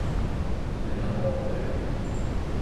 噉你跟我過嚟